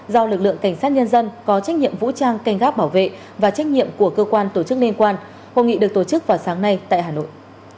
do lực lượng cảnh sát nhân dân có trách nhiệm vũ trang canh gác bảo vệ và trách nhiệm của cơ quan tổ chức liên quan hội nghị được tổ chức vào sáng nay tại hà nội